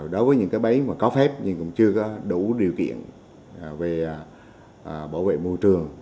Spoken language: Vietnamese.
đối với những cái máy mà có phép nhưng cũng chưa có đủ điều kiện về bảo vệ môi trường